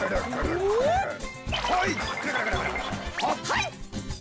はい。